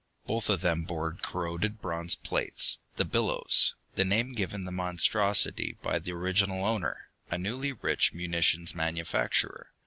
Both of them bore corroded bronze plates, "The Billows," the name given The Monstrosity by the original owner, a newly rich munitions manufacturer.